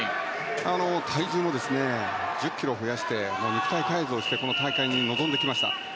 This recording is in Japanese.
体重も１０ｋｇ増やして肉体改造をしてこの大会に臨んできました。